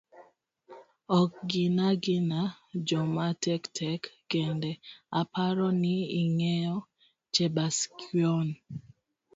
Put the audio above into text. ok gina gina joma tek tek kende, aparo ni ingeyo Chebaskwony.